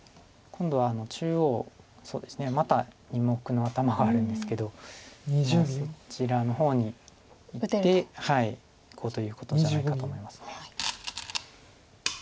今度は中央また２目の頭があるんですけどもうそちらの方に打っていこうということじゃないかと思います。